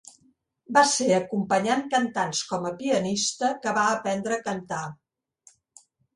Va ser acompanyant cantants com a pianista que va aprendre a cantar.